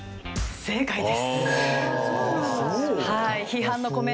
正解です。